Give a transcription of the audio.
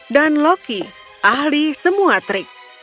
dan loki ahli semua trik